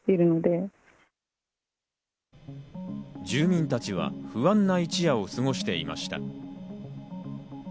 住民たちは不安な一夜を過ごしていました。